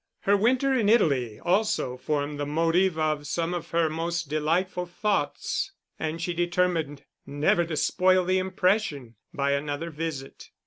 Her winter in Italy also formed the motive of some of her most delightful thoughts, and she determined never to spoil the impression by another visit.